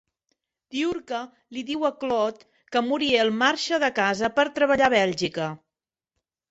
Diurka li diu a Claude que Muriel marxa de casa per treballar a Bèlgica.